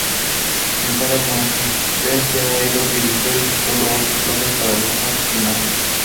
En cada conferencia hay dos divisiones y solo ocho plazas para la fase final.